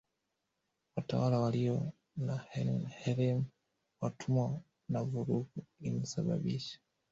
watawala walio na harem watumwa na vurugu Inasababisha